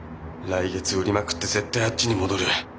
来月売りまくって絶対あっちに戻る。